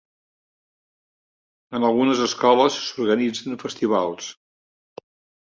En algunes escoles s'organitzen festivals.